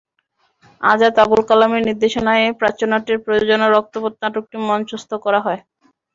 আজাদ আবুল কালামের নির্দেশনায় প্রাচ্যনাটের প্রযোজনা রক্তপথ নাটকটি মঞ্চস্থ করা হয়।